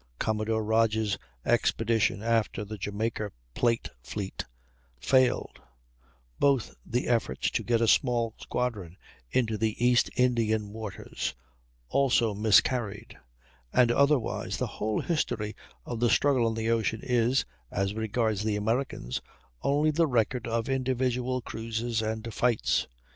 Commodore Rodgers' expedition after the Jamaica Plate fleet failed; both the efforts to get a small squadron into the East Indian waters also miscarried; and otherwise the whole history of the struggle on the ocean is, as regards the Americans, only the record of individual cruises and fights.